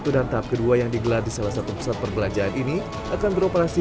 satu dan tahap kedua yang digelar di salah satu pusat perbelanjaan ini akan beroperasi